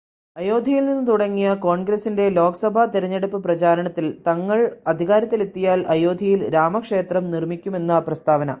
അയോദ്ധ്യയിൽ നിന്നു തുടങ്ങിയ കോൺഗ്രസ്സിന്റെ ലോകസഭാ തെരെഞ്ഞെടുപ്പ് പ്രചാരണത്തിൽ, തങ്ങൾ അധികാരത്തിലെത്തിയാൽ അയോദ്ധ്യയിൽ രാമക്ഷേത്രം നിർമിക്കുമെന്ന പ്രസ്താവന.